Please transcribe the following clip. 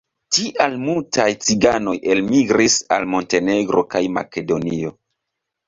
Tial multaj ciganoj elmigris al Montenegro kaj Makedonio.